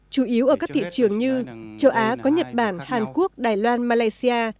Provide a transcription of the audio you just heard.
chủ yếu ở các thị trường như châu á có nhật bản hàn quốc đài loan malaysia